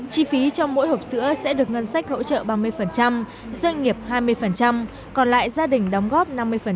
chi phí cho mỗi hộp sữa sẽ được ngân sách hỗ trợ ba mươi doanh nghiệp hai mươi còn lại gia đình đóng góp năm mươi